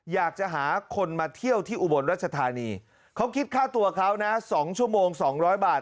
อยากจะหาคนมาเที่ยวที่อุบลรัชธานีเขาคิดค่าตัวเขานะ๒ชั่วโมง๒๐๐บาท